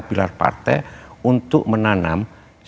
pilar partai untuk menanam